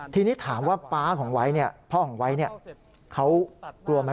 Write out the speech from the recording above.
ทีนี้ถามว่าป๊าของไวท์พ่อของไวท์เขากลัวไหม